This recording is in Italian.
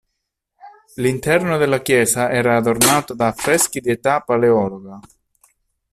L'interno della chiesa era adornato da affreschi di età paleologa.